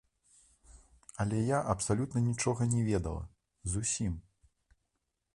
Але я абсалютна нічога не ведала, зусім.